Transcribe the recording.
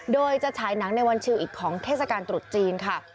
โดยจะฉายหนังในวันชิวอีกของเทศกาลตรุษจีนค่ะ